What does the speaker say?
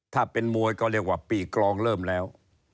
ถ้าเป็นมวยก็เรียกว่าปีกรองเริ่มแล้ว